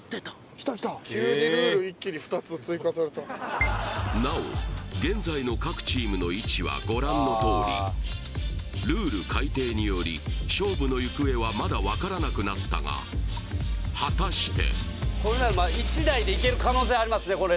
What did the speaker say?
きたきた急にルール一気に２つ追加されたなお現在の各チームの位置はご覧のとおりルール改定により勝負の行方はまだ分からなくなったが果たして？